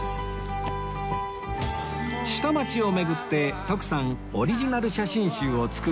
下町を巡って徳さんオリジナル写真集を作る旅